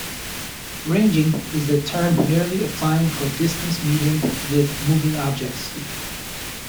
Ranging is the term merely applying for distance metering with moving objects.